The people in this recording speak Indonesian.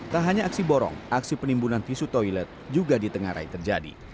tak hanya aksi borong aksi penimbunan tisu toilet juga ditengarai terjadi